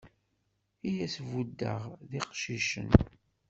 I as-buddeɣ d iqcicen.